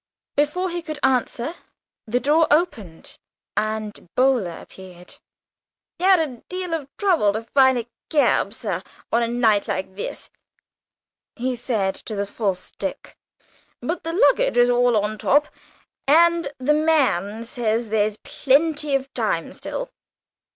Before he could answer, the door opened and Boaler appeared. "Had a deal of trouble to find a keb, sir, on a night like this," he said to the false Dick, "but the luggage is all on top, and the man says there's plenty of time still."